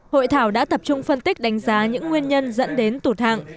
hội thảo đã tập trung phân tích đánh giá những nguyên nhân dẫn đến tụt hạng